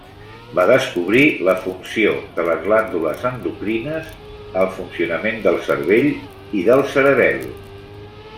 Va descobrir la funció de les glàndules endocrines, el funcionament del cervell i del cerebel.